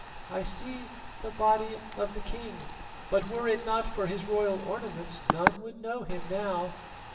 "I see the body of the king; but were it not for his royal ornaments none would know him now."